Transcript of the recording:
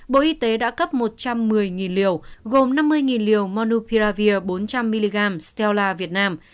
bộ y tế đã cấp một trăm một mươi liều gồm năm mươi liều manupiravir bốn trăm linh mg sella việt nam